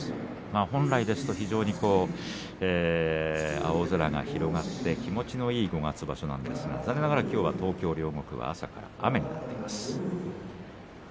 本来ですと青空が広がって気持ちのいい五月場所なんですがなかなか、きょうは東京・両国は朝から雨になっています。